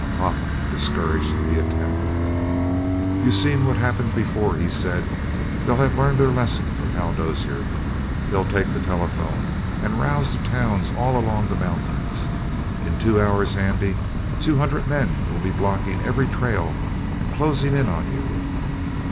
Pop discouraged the attempt. "You seen what happened before," he said. "They'll have learned their lesson from Hal Dozier. They'll take the telephone and rouse the towns all along the mountains. In two hours, Andy, two hundred men will be blocking every trail and closin' in on you."